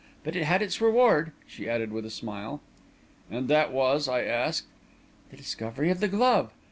But it had its reward," she added, with a smile. "And that was?" I asked. "The discovery of the glove.